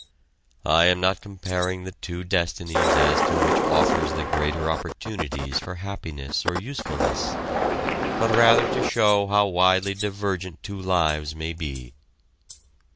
I am not comparing the two destinies as to which offers the greater opportunities for happiness or usefulness, but rather to show how widely divergent two lives may be.